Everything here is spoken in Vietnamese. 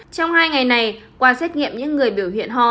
trong hai ngày này qua xét nghiệm những người biểu hiện ho